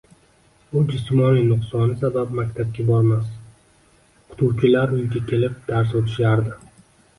U jismoniy nuqsoni sabab maktabga bormas, o‘qituvchilar uyiga kelib, dars o‘tishardi.